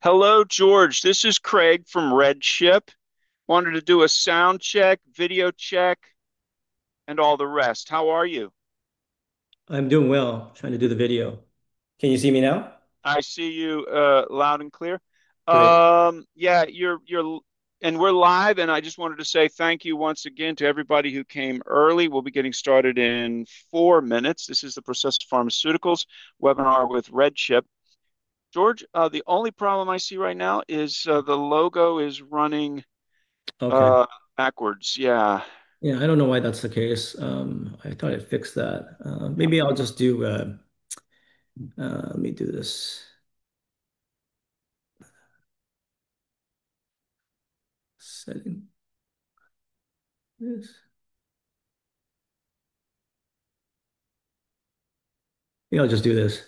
Hello, George. This is Craig from RedChip. Wanted to do a sound check, video check, and all the rest. How are you? I'm doing well, trying to do the video. Can you see me now? I see you loud and clear. Yeah, you're and we're live. I just wanted to say thank you once again to everybody who came early. We'll be getting started in four minutes. This is the Processa Pharmaceuticals webinar with RedChip. George, the only problem I see right now is the logo is running backwards. Yeah. I don't know why that's the case. I thought it fixed that. Maybe I'll just do this. Setting. I'll just do this. Does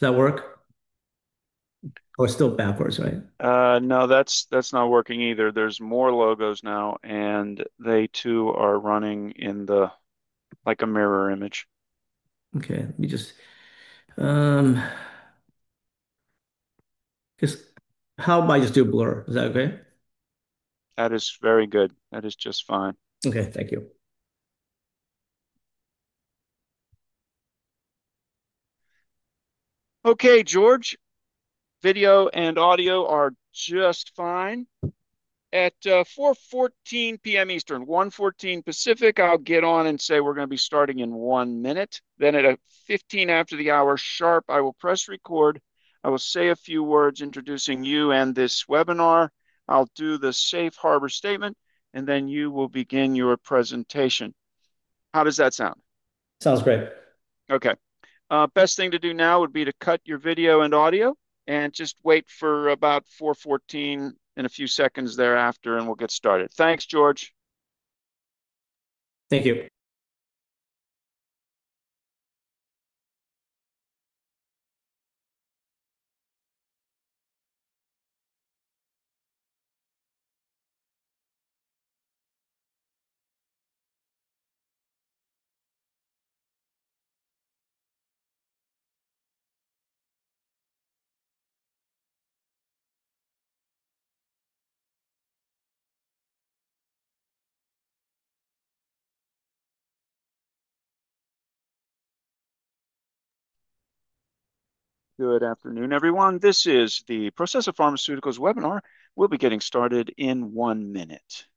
that work? Oh, it's still backwards, right? No, that's not working either. There are more logos now, and they too are running in the, like a mirror image. Okay, let me just, I guess, how about I just do a blur? Is that okay? That is very good. That is just fine. Okay, thank you. Okay, George, video and audio are just fine. At 4:14 P.M. Eastern, 1:14 P.M. Pacific, I'll get on and say we're going to be starting in one minute. At 15 after the hour sharp, I will press record. I will say a few words introducing you and this webinar. I'll do the safe harbor statement, and then you will begin your presentation. How does that sound? Sounds great. Okay. Best thing to do now would be to cut your video and audio and just wait for about 4:14 and a few seconds thereafter, and we'll get started. Thanks, George. Thank you. Good afternoon, everyone. This is the Processa Pharmaceuticals webinar. We'll be getting started in one minute.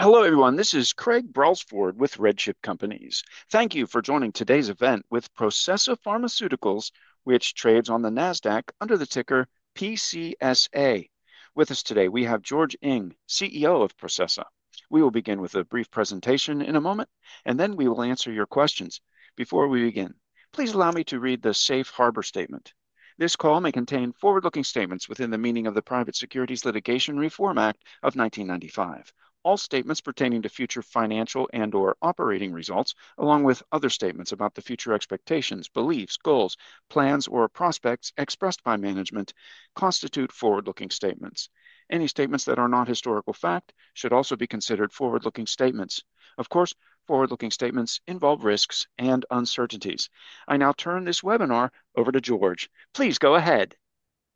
Hello, everyone. This is Craig Brelsford with RedChip Companies. Thank you for joining today's event with Processa Pharmaceuticals, which trades on the NASDAQ under the ticker PCSA. With us today, we have George Ng, CEO of Processa. We will begin with a brief presentation in a moment, and then we will answer your questions. Before we begin, please allow me to read the safe harbor statement. This call may contain forward-looking statements within the meaning of the Private Securities Litigation Reform Act of 1995. All statements pertaining to future financial and/or operating results, along with other statements about the future expectations, beliefs, goals, plans, or prospects expressed by management constitute forward-looking statements. Any statements that are not historical fact should also be considered forward-looking statements. Of course, forward-looking statements involve risks and uncertainties. I now turn this webinar over to George. Please go ahead.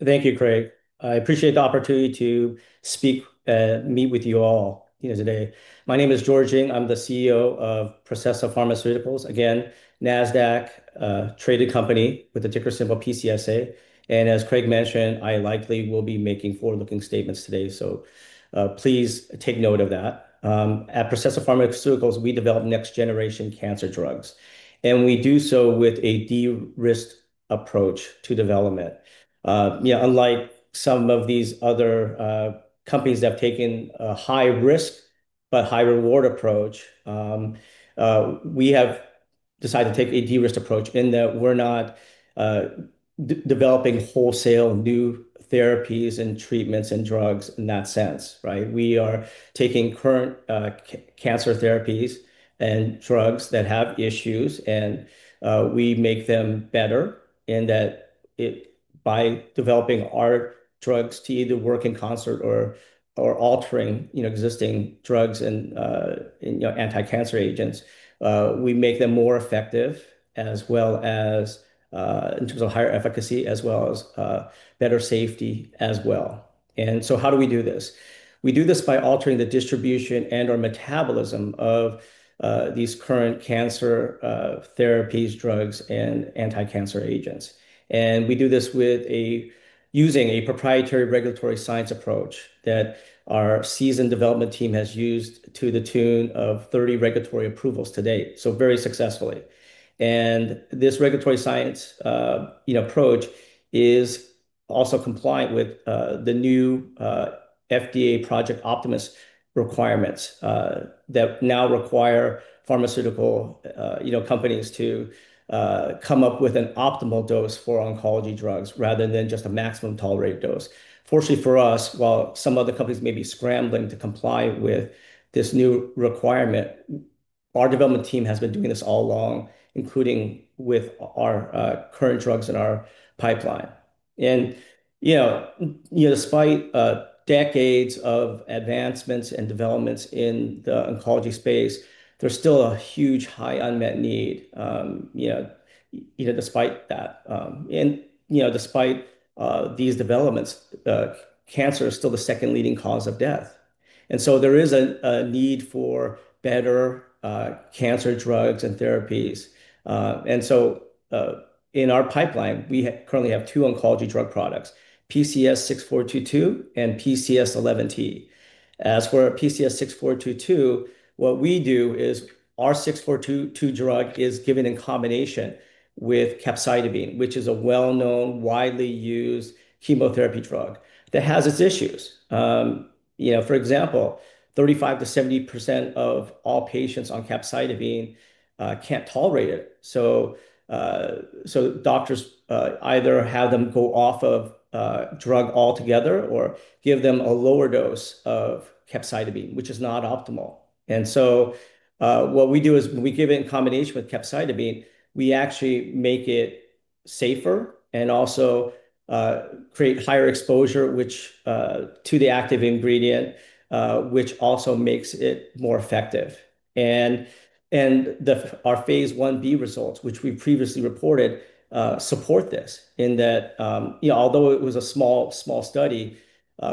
Thank you, Craig. I appreciate the opportunity to speak and meet with you all here today. My name is George Ng. I'm the CEO of Processa Pharmaceuticals. Again, NASDAQ-traded company with the ticker symbol PCSA. As Craig mentioned, I likely will be making forward-looking statements today. Please take note of that. At Processa Pharmaceuticals, we develop next-generation cancer drugs, and we do so with a de-risk approach to development. Unlike some of these other companies that have taken a high-risk but high-reward approach, we have decided to take a de-risk approach in that we're not developing wholesale new therapies and treatments and drugs in that sense. We are taking current cancer therapies and drugs that have issues, and we make them better in that by developing our drugs to either work in concert or altering existing drugs and anti-cancer agents, we make them more effective in terms of higher efficacy, as well as better safety as well. How do we do this? We do this by altering the distribution and/or metabolism of these current cancer therapies, drugs, and anti-cancer agents. We do this using a proprietary regulatory science approach that our seasoned development team has used to the tune of 30 regulatory approvals to date, so very successfully. This regulatory science approach is also compliant with the new FDA Project Optimus requirements that now require pharmaceutical companies to come up with an optimal dose for oncology drugs rather than just a maximum tolerated dose. Fortunately for us, while some other companies may be scrambling to comply with this new requirement, our development team has been doing this all along, including with our current drugs in our pipeline. Despite decades of advancements and developments in the oncology space, there's still a huge high unmet need. Despite these developments, cancer is still the second leading cause of death. There is a need for better cancer drugs and therapies. In our pipeline, we currently have two oncology drug products: PCS6422 and PCS11T. As for PCS6422, what we do is our PCS6422 drug is given in combination with capecitabine, which is a well-known, widely used chemotherapy drug that has its issues. For example, 35%-70% of all patients on capecitabine can't tolerate it. Doctors either have them go off of drug altogether or give them a lower dose of capecitabine, which is not optimal. What we do is when we give it in combination with capecitabine, we actually make it safer and also create higher exposure to the active ingredient, which also makes it more effective. Our phase I-B results, which we previously reported, support this in that, although it was a small study,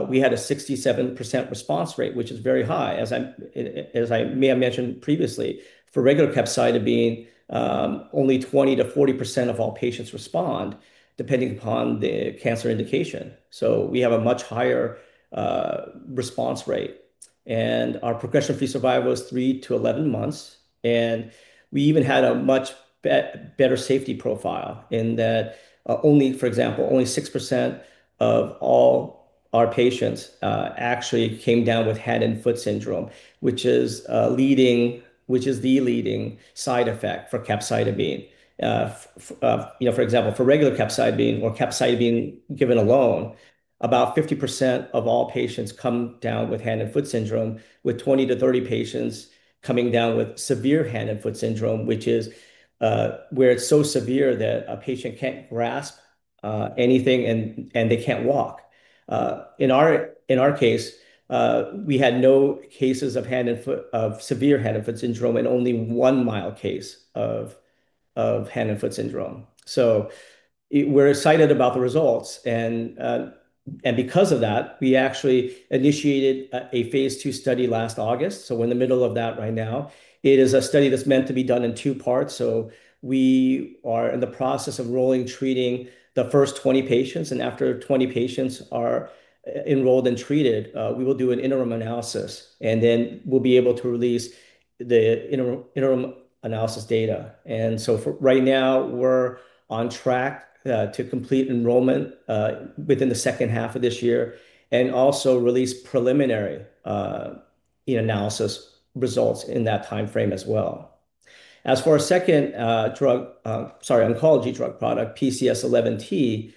we had a 67% response rate, which is very high. As I may have mentioned previously, for regular capecitabine, only 20%-40% of all patients respond, depending upon the cancer indication. We have a much higher response rate. Our progression-free survival is 3 to 11 months. We even had a much better safety profile in that, for example, only 6% of all our patients actually came down with hand and foot syndrome, which is the leading side effect for capecitabine. For example, for regular capecitabine or capecitabine given alone, about 50% of all patients come down with hand and foot syndrome, with 20 to 30 patients coming down with severe hand and foot syndrome, which is where it's so severe that a patient can't grasp anything and they can't walk. In our case, we had no cases of severe hand and foot syndrome and only one mild case of hand and foot syndrome. We're excited about the results. Because of that, we actually initiated a phase II study last August. We're in the middle of that right now. It is a study that's meant to be done in two parts. We are in the process of treating the first 20 patients. After 20 patients are enrolled and treated, we will do an interim analysis, and then we'll be able to release the interim analysis data. Right now, we're on track to complete enrollment within the second half of this year and also release preliminary analysis results in that timeframe as well. As for our second oncology drug product, PCS11T,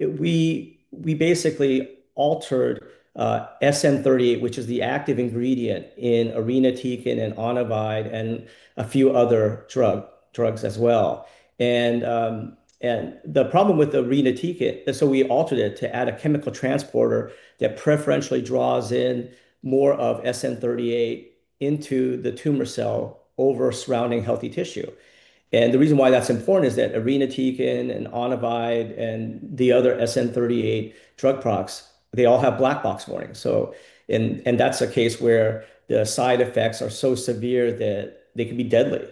we basically altered SM38, which is the active ingredient in irinotecan and onivyde and a few other drugs as well. The problem with irinotecan, so we altered it to add a chemical transporter that preferentially draws in more of SM38 into the tumor cell over surrounding healthy tissue. The reason why that's important is that irinotecan and onivyde and the other SM38 drug products, they all have black box warnings. That's a case where the side effects are so severe that they could be deadly.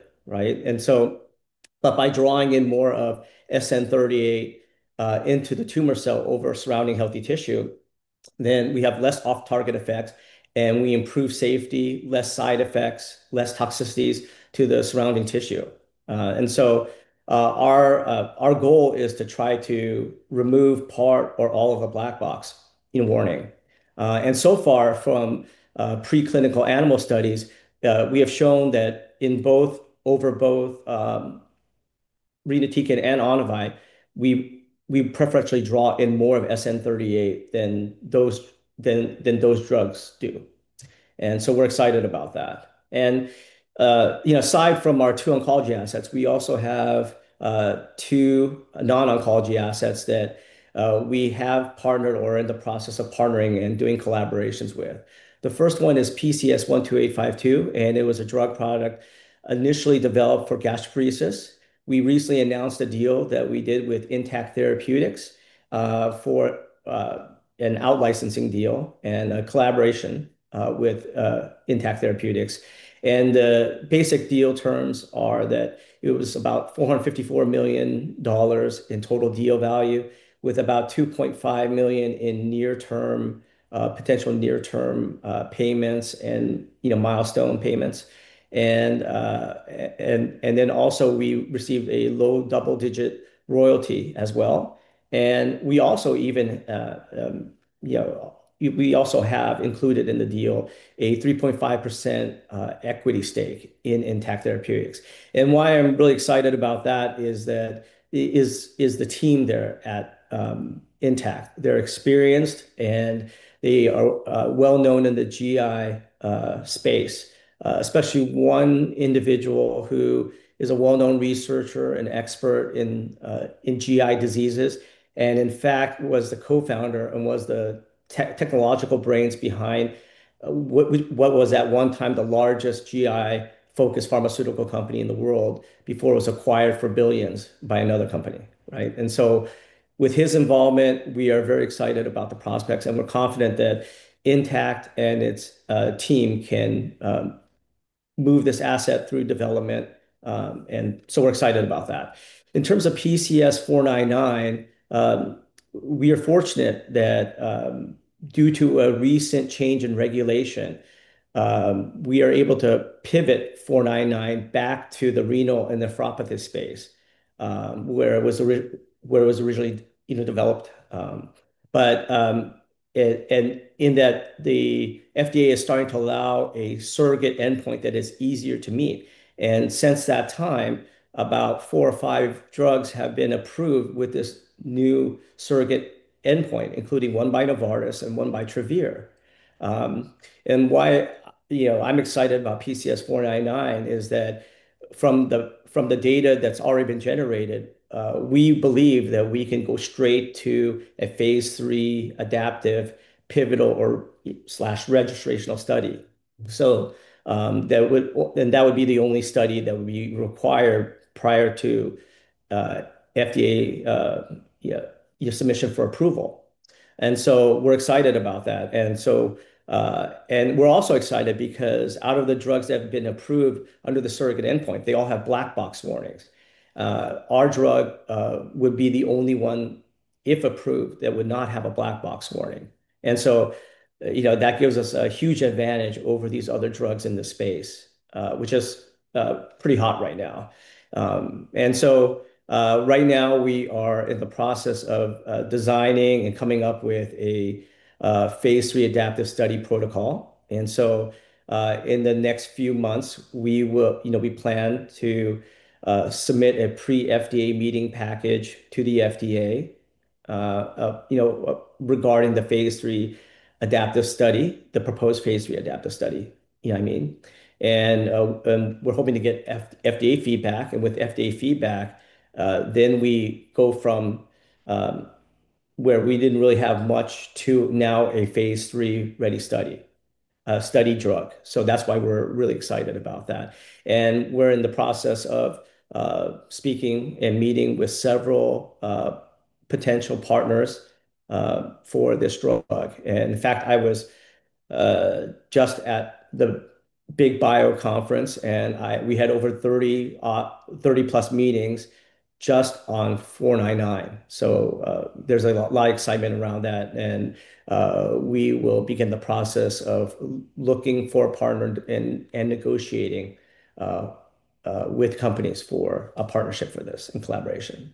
By drawing in more of SM38 into the tumor cell over surrounding healthy tissue, we have less off-target effects and we improve safety, less side effects, less toxicities to the surrounding tissue. Our goal is to try to remove part or all of a black box warning. So far, from preclinical animal studies, we have shown that in both irinotecan and onivyde, we preferentially draw in more of SM38 than those drugs do. We are excited about that. Aside from our two oncology assets, we also have two non-oncology assets that we have partnered or are in the process of partnering and doing collaborations with. The first one is PCS12852, and it was a drug product initially developed for gastroparesis. We recently announced a deal that we did with Intact Therapeutics for an out-licensing deal and a collaboration with Intact Therapeutics. The basic deal terms are that it was about $454 million in total deal value with about $2.5 million in potential near-term payments and milestone payments. We also received a low double-digit royalty as well. We have also included in the deal a 3.5% equity stake in Intact Therapeutics. Why I'm really excited about that is that the team there at Intact, they're experienced and they are well known in the GI space, especially one individual who is a well-known researcher and expert in GI diseases and in fact was the co-founder and was the technological brains behind what was at one time the largest GI-focused pharmaceutical company in the world before it was acquired for billions by another company. With his involvement, we are very excited about the prospects, and we're confident that Intact and its team can move this asset through development. We are excited about that. In terms of PCS499, we are fortunate that due to a recent change in regulation, we are able to pivot PCS499 back to the renal and nephropathy space where it was originally developed. The FDA is starting to allow a surrogate endpoint that is easier to meet. Since that time, about four or five drugs have been approved with this new surrogate endpoint, including one by Novartis and one by Travere. Why I'm excited about PCS499 is that from the data that's already been generated, we believe that we can go straight to a phase III adaptive pivotal/registrational study. That would be the only study that we require prior to FDA submission for approval. We are excited about that. We're also excited because out of the drugs that have been approved under the surrogate endpoint, they all have black box warnings. Our drug would be the only one, if approved, that would not have a black box warning. That gives us a huge advantage over these other drugs in the space, which is pretty hot right now. Right now, we are in the process of designing and coming up with a phase III adaptive study protocol. In the next few months, we plan to submit a pre-FDA meeting package to the FDA regarding the phase III adaptive study, the proposed phase III adaptive study, you know what I mean? We're hoping to get FDA feedback. With FDA feedback, then we go from where we didn't really have much to now a phase III ready study drug. That's why we're really excited about that. We're in the process of speaking and meeting with several potential partners for this drug. In fact, I was just at the big bio conference, and we had over 30+ meetings just on PCS499. There's a lot of excitement around that. We will begin the process of looking for a partner and negotiating with companies for a partnership for this and collaboration.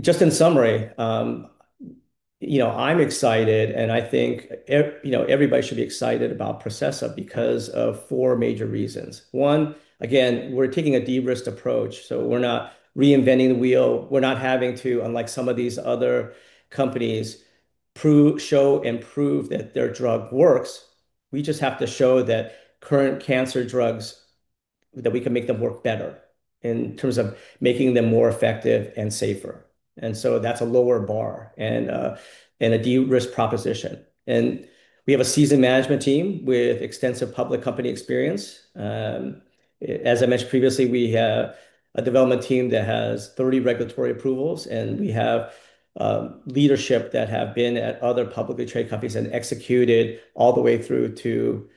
Just in summary, you know I'm excited, and I think you know everybody should be excited about Processa Pharmaceuticals because of four major reasons. One, again, we're taking a de-risk approach. We're not reinventing the wheel. We're not having to, unlike some of these other companies, show and prove that their drug works. We just have to show that current cancer drugs, that we can make them work better in terms of making them more effective and safer. That's a lower bar and a de-risk proposition. We have a seasoned management team with extensive public company experience. As I mentioned previously, we have a development team that has 30 regulatory approvals, and we have leadership that have been at other publicly traded companies and executed all the way through to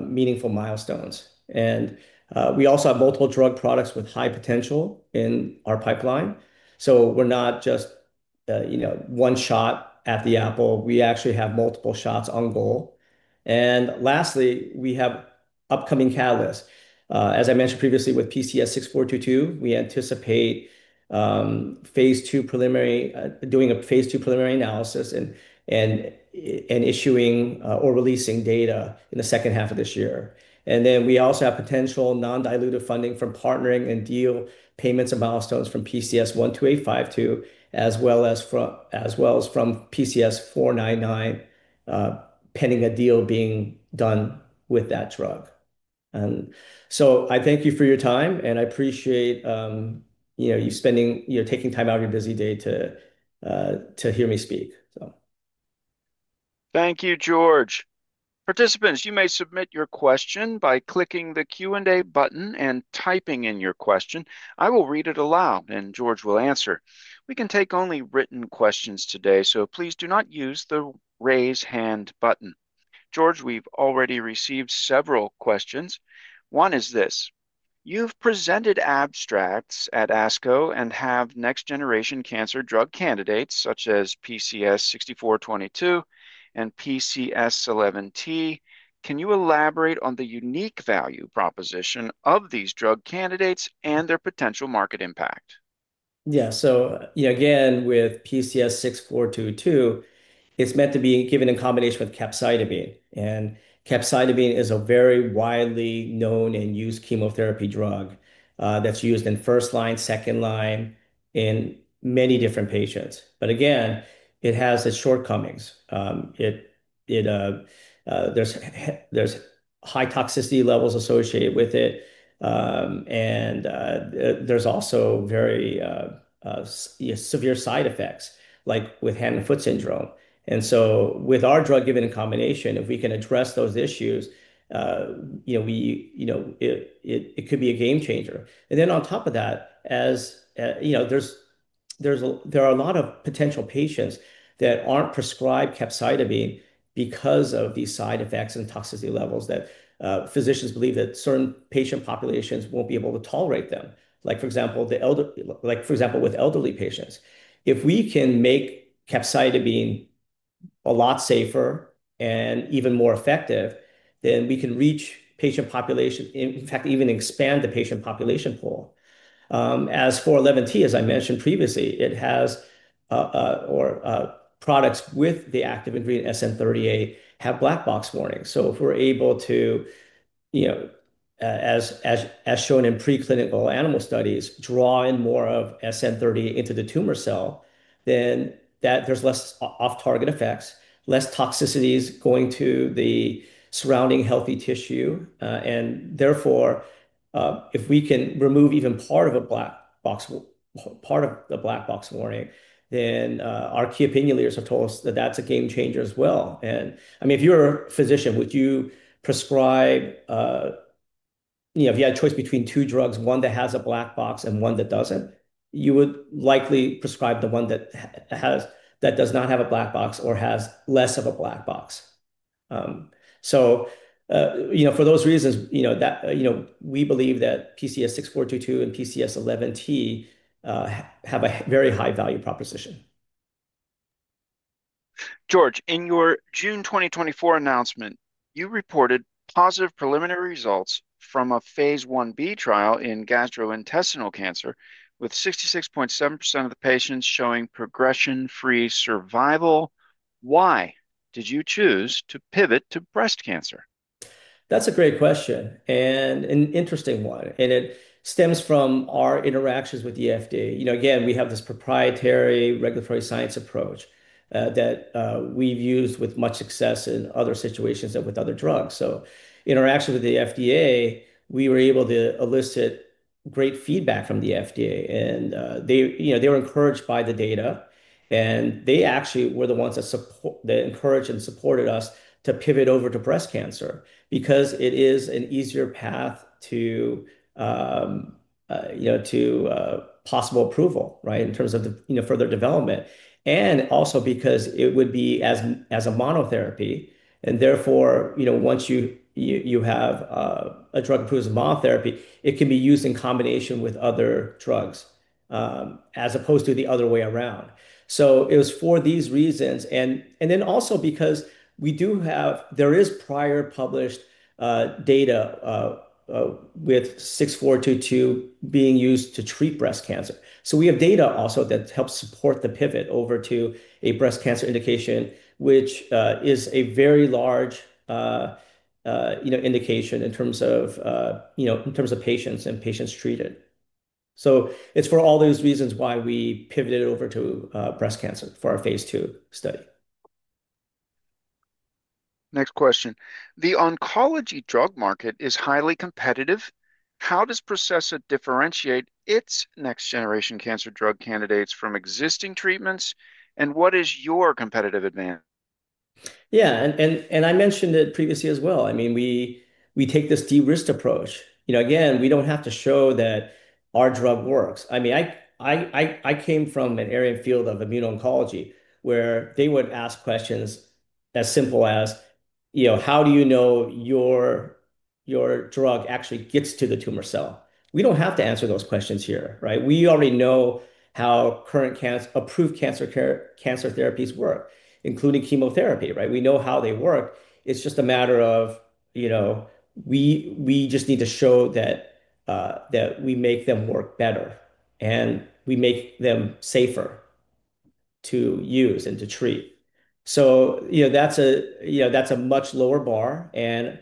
meaningful milestones. We also have multiple drug products with high potential in our pipeline. We're not just one shot at the apple. We actually have multiple shots on goal. Lastly, we have upcoming catalysts. As I mentioned previously with PCS6422, we anticipate doing a phase II preliminary analysis and issuing or releasing data in the second half of this year. We also have potential non-dilutive funding from partnering and deal payments and milestones from PCS12852, as well as from PCS499, pending a deal being done with that drug. I thank you for your time, and I appreciate you taking time out of your busy day to hear me speak. Thank you, George. Participants, you may submit your question by clicking the Q&A button and typing in your question. I will read it aloud, and George will answer. We can take only written questions today, so please do not use the raise hand button. George, we've already received several questions. One is this: you've presented abstracts at ASCO and have next-generation cancer drug candidates such as PCS6422 and PCS11T. Can you elaborate on the unique value proposition of these drug candidates and their potential market impact? Yeah, so with PCS6422, it's meant to be given in combination with capecitabine. Capecitabine is a very widely known and used chemotherapy drug that's used in first line, second line, in many different patients. It has its shortcomings. There are high toxicity levels associated with it, and there are also very severe side effects, like with hand and foot syndrome. With our drug given in combination, if we can address those issues, it could be a game changer. On top of that, there are a lot of potential patients that aren't prescribed capecitabine because of these side effects and toxicity levels. Physicians believe that certain patient populations won't be able to tolerate them, like for example, with elderly patients. If we can make capecitabine a lot safer and even more effective, then we can reach patient populations, in fact, even expand the patient population pool. As for PCS11T, as I mentioned previously, products with the active ingredient SM38 have black box warnings. If we're able to, as shown in preclinical animal studies, draw in more of SM38 into the tumor cell, then there's less off-target effects, less toxicities going to the surrounding healthy tissue. Therefore, if we can remove even part of a black box warning, our key opinion leaders have told us that that's a game changer as well. I mean, if you're a physician, would you prescribe, you know, if you had a choice between two drugs, one that has a black box and one that doesn't, you would likely prescribe the one that does not have a black box or has less of a black box. For those reasons, we believe that PCS6422 and PCS11T have a very high value proposition. George, in your June 2024 announcement, you reported positive preliminary results from a phase I-B trial in gastrointestinal cancer with 66.7% of the patients showing progression-free survival. Why did you choose to pivot to breast cancer? That's a great question and an interesting one. It stems from our interactions with the FDA. You know, again, we have this proprietary regulatory science approach that we've used with much success in other situations and with other drugs. In our actions with the FDA, we were able to elicit great feedback from the FDA. They were encouraged by the data. They actually were the ones that encouraged and supported us to pivot over to breast cancer because it is an easier path to possible approval in terms of further development, also because it would be as a monotherapy. Therefore, once you have a drug that proves a monotherapy, it can be used in combination with other drugs as opposed to the other way around. It was for these reasons. Also, because we do have, there is prior published data with PCS6422 being used to treat breast cancer. We have data also that helps support the pivot over to a breast cancer indication, which is a very large indication in terms of patients and patients treated. It's for all those reasons why we pivoted over to breast cancer for our phase II study. Next question. The oncology drug market is highly competitive. How does Processa differentiate its next-generation cancer drug candidates from existing treatments, and what is your competitive advantage? Yeah, I mentioned it previously as well. I mean, we take this de-risk approach. You know, we don't have to show that our drug works. I came from an area and field of immune oncology where they would ask questions as simple as, you know, how do you know your drug actually gets to the tumor cell? We don't have to answer those questions here. We already know how current approved cancer therapies work, including chemotherapy. We know how they work. It's just a matter of, you know, we just need to show that we make them work better and we make them safer to use and to treat. That's a much lower bar. We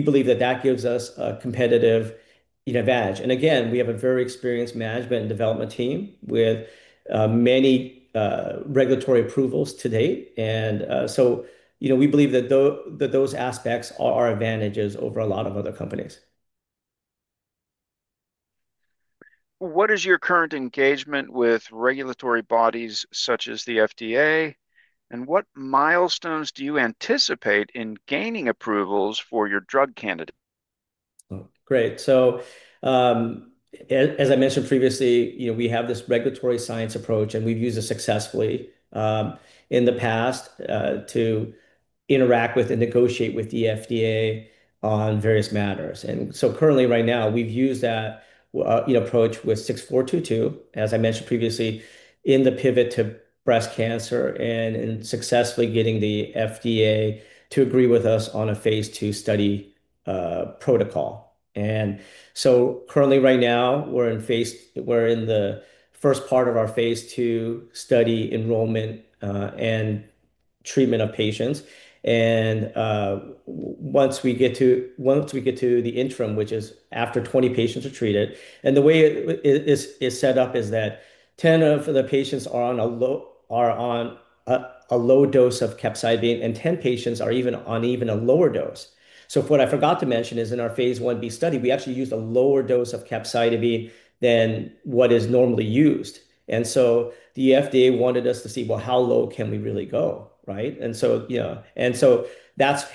believe that gives us a competitive advantage. We have a very experienced management and development team with many regulatory approvals to date. We believe that those aspects are our advantages over a lot of other companies. What is your current engagement with regulatory bodies such as the FDA, and what milestones do you anticipate in gaining approvals for your drug candidate? Great. As I mentioned previously, we have this regulatory science approach, and we've used it successfully in the past to interact with and negotiate with the FDA on various matters. Currently, we've used that approach with PCS6422, as I mentioned previously, in the pivot to breast cancer and in successfully getting the FDA to agree with us on a phase II study protocol. Currently, we're in the first part of our phase II study enrollment and treatment of patients. Once we get to the interim, which is after 20 patients are treated, the way it is set up is that 10 of the patients are on a low dose of capecitabine, and 10 patients are on an even lower dose. What I forgot to mention is in our phase I-B study, we actually used a lower dose of capecitabine than what is normally used. The FDA wanted us to see how low we can really go, which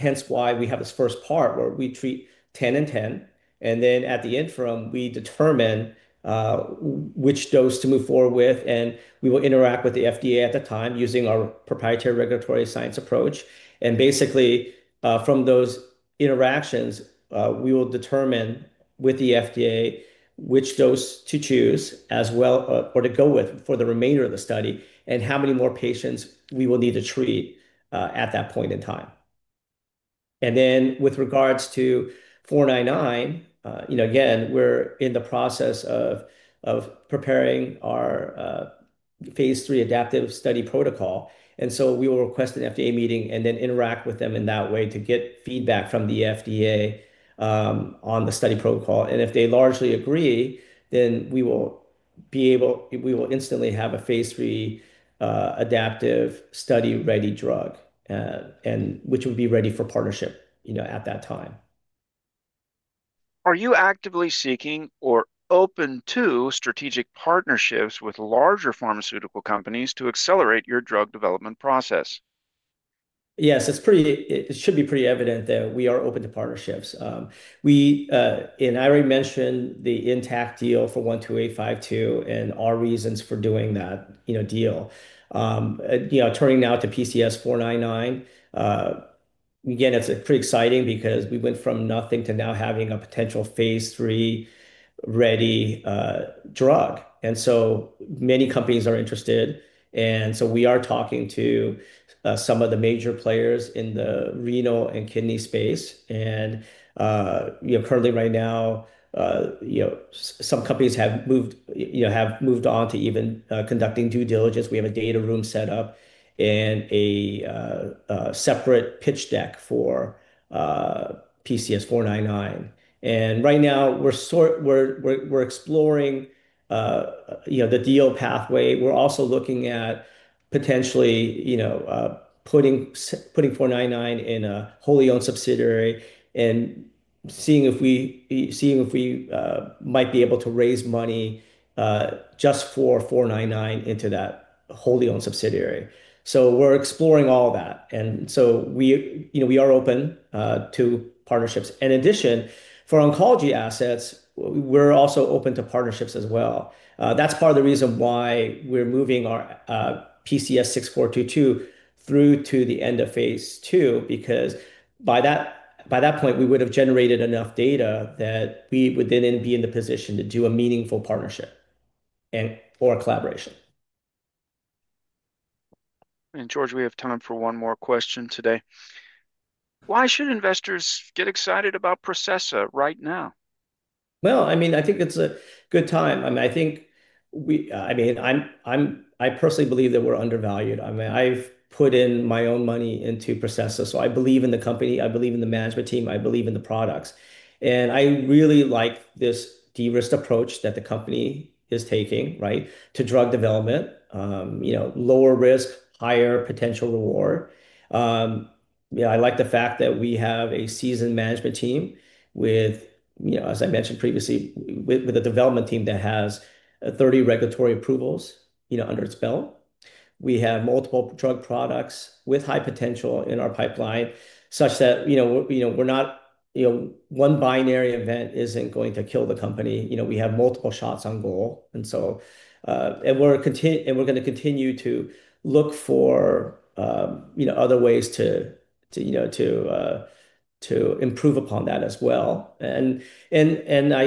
is why we have this first part where we treat 10 and 10. At the interim, we determine which dose to move forward with, and we will interact with the FDA at that time using our proprietary regulatory science approach. Basically, from those interactions, we will determine with the FDA which dose to choose to go with for the remainder of the study and how many more patients we will need to treat at that point in time. With regards to PCS499, we're in the process of preparing our phase III adaptive study protocol. We will request an FDA meeting and interact with them in that way to get feedback from the FDA on the study protocol. If they largely agree, then we will instantly have a phase III adaptive study ready drug, which will be ready for partnership at that time. Are you actively seeking or open to strategic partnerships with larger pharmaceutical companies to accelerate your drug development process? Yes, it should be pretty evident that we are open to partnerships. I already mentioned the Intact Therapeutics deal for PCS12852 and our reasons for doing that deal. Turning now to PCS499, it's pretty exciting because we went from nothing to now having a potential phase III ready drug. Many companies are interested. We are talking to some of the major players in the renal and kidney space. Currently, some companies have moved on to even conducting due diligence. We have a data room set up and a separate pitch deck for PCS499. Right now, we're exploring the deal pathway. We're also looking at potentially putting PCS499 in a wholly owned subsidiary and seeing if we might be able to raise money just for PCS499 into that wholly owned subsidiary. We're exploring all of that. We are open to partnerships. In addition, for oncology assets, we're also open to partnerships as well. That's part of the reason why we're moving our PCS6422 through to the end of phase II, because by that point, we would have generated enough data that we would then be in the position to do a meaningful partnership or collaboration. George, we have time for one more question today. Why should investors get excited about Processa right now? I think it's a good time. I think, I personally believe that we're undervalued. I mean, I've put in my own money into Processa, so I believe in the company. I believe in the management team. I believe in the products. I really like this de-risk approach that the company is taking to drug development, lower risk, higher potential reward. I like the fact that we have a seasoned management team with, as I mentioned previously, a development team that has 30 regulatory approvals under its belt. We have multiple drug products with high potential in our pipeline, such that one binary event isn't going to kill the company. We have multiple shots on goal. We're going to continue to look for other ways to improve upon that as well. I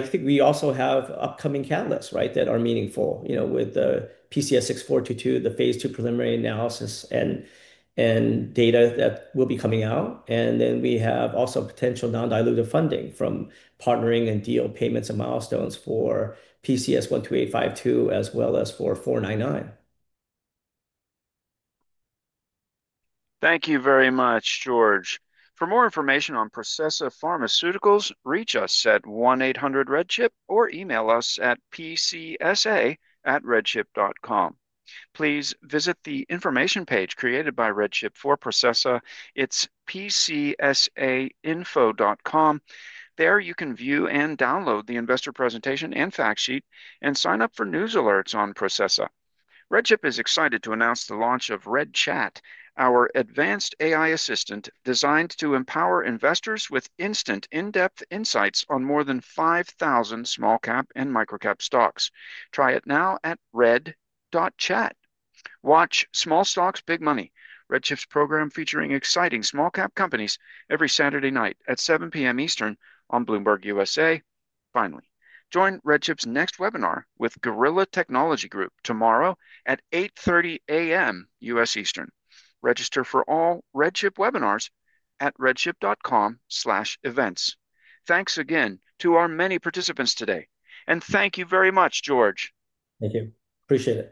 think we also have upcoming catalysts that are meaningful with the PCS6422, the phase II preliminary analysis, and data that will be coming out. We have also potential non-dilutive funding from partnering and deal payments and milestones for PCS12852 as well as for PCS499. Thank you very much, George. For more information on Processa Pharmaceuticals, reach us at 1-800-REDCHIP or email us at pcsa@redchip.com. Please visit the information page created by RedChip for Processa. It's pcsainfo.com. There you can view and download the investor presentation and fact sheet and sign up for news alerts on Processa. RedChip is excited to announce the launch of RedChat, our advanced AI assistant designed to empower investors with instant in-depth insights on more than 5,000 small cap and micro-cap stocks. Try it now at red.chat. Watch Small Stocks, Big Money, RedChip's program featuring exciting small cap companies every Saturday night at 7:00 P.M. Eastern on Bloomberg U.S.A. Finally, join RedChip's next webinar with Guerrilla Technology Group tomorrow at 8:30 A.M. U.S. Eastern. Register for all RedChip webinars at redchip.com/events. Thanks again to our many participants today. Thank you very much, George. Thank you. Appreciate it.